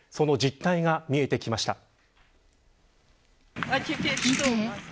その実態が見えてきました。